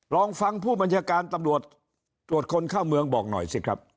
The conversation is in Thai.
ลองฟังผู้บัญชาการตำรวจตรวจคนเข้าเมืองบอกหน่อยสิครับ